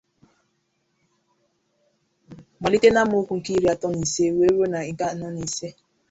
malite n'amàokwu nke iri atọ na ise wee ruo nke anọ na ise